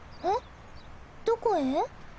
えどこへ？